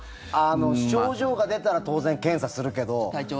症状が出たら当然、検査するけど。